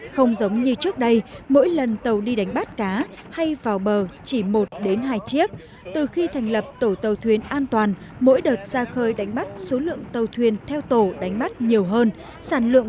không giống như trước đây mỗi lần tàu đi đánh bắt cá hay vào bờ chỉ một hai chiếc từ khi thành lập tổ tàu thuyền an toàn mỗi đợt ra khơi đánh bắt số lượng tàu thuyền theo tổ đánh bắt nhiều hơn